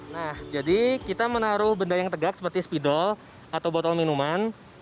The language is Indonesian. nah jadi kita menaruh benda yang tegak seperti spidol atau botol minuman